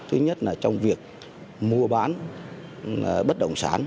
thứ nhất là trong việc mua bán bất động sản